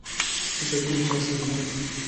څه سکون چا سره نه وي